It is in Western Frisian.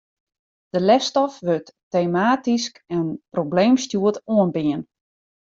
De lesstof wurdt tematysk en probleemstjoerd oanbean.